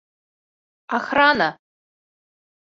Охрана!